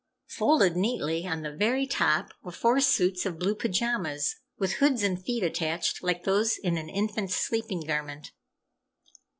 Folded neatly on the very top were four suits of blue pajamas, with hoods and feet attached like those in an infant's sleeping garment.